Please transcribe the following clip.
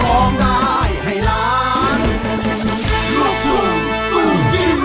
ร้องได้ให้หลาน